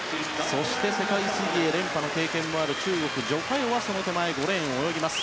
そして、世界水泳連覇経験のある中国のジョ・カヨはその手前、５レーンを泳ぎます。